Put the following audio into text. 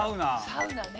サウナね。